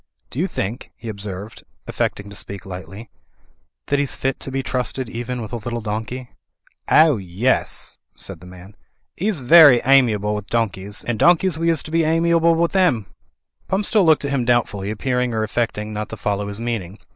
"Do you think," he observed, affecting to speak lightly, "that he's fit to be trusted even with a little donkey?" "Ow, yes," said the man. "He's very amiable with donkeys, and donkeys we is to be amiable with 'im." Pump still looked at him doubtfully, appearing or affecting not to follow his meaning.